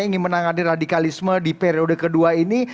ingin menangani radikalisme di periode kedua ini